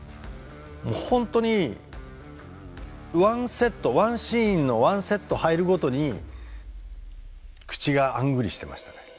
本当に１セット１シーンの１セットに入るごとに口があんぐりしてましたね。